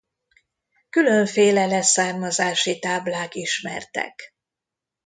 Különféle leszármazási táblák ismertek.